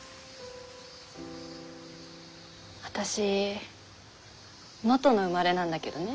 私能登の生まれなんだけどね。